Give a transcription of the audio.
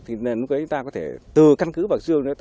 thì chúng ta có thể từ căn cứ và xương